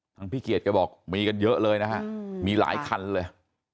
พี่เกียจแกบอกมีกันเยอะเลยนะฮะมีหลายคันเลย